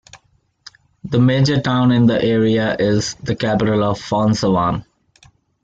The major town in the area is the capital of Phonsavan.